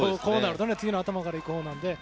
次の頭からいくほうなので。